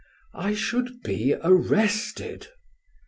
"I should be arrested."